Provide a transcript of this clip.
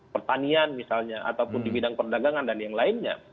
pertanian misalnya ataupun di bidang perdagangan dan yang lainnya